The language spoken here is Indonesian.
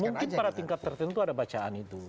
mungkin pada tingkat tertentu ada bacaan itu